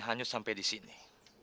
hanya sampai di sini